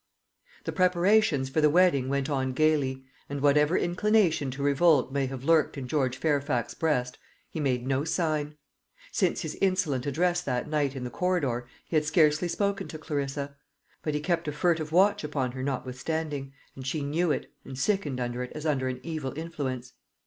The preparations for the wedding went on gaily, and whatever inclination to revolt may have lurked in George Fairfax's breast, he made no sign. Since his insolent address that night in the corridor he had scarcely spoken to Clarissa; but he kept a furtive watch upon her notwithstanding, and she knew it, and sickened under it as under an evil influence.